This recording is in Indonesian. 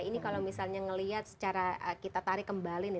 ini kalau misalnya melihat secara kita tarik kembali nih